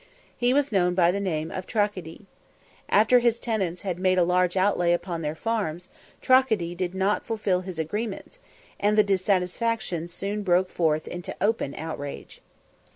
He was known by the name of Tracadie. After his tenants had made a large outlay upon their farms, Tracadie did not fulfil his agreements, and the dissatisfaction soon broke forth into open outrage.